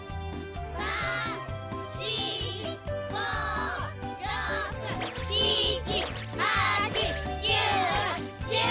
３４５６７８９１０。